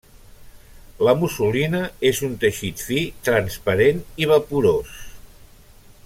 La mussolina és un teixit fi, transparent i vaporós.